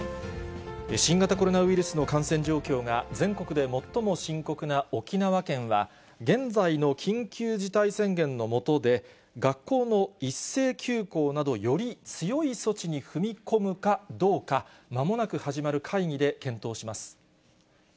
新型コロナウイルスの感染状況が、全国で最も深刻な沖縄県は、現在の緊急事態宣言の下で、学校の一斉休校など、より強い措置に踏み込むかどうか、まもなく始まる会議で検討します。